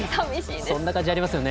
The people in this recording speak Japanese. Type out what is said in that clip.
そんな感じありますね。